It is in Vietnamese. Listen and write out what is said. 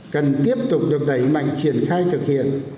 cần tiếp tục được đẩy mạnh triển khai thực hiện